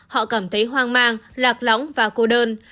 họ cảm thấy hoang mang lạc lóng và cô đơn